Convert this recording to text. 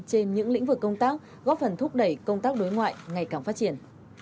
trên những lĩnh vực công tác góp phần thúc đẩy công tác đối ngoại ngày càng phát triển